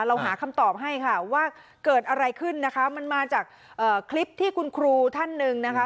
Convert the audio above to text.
เราหาคำตอบให้ค่ะว่าเกิดอะไรขึ้นนะคะมันมาจากคลิปที่คุณครูท่านหนึ่งนะคะ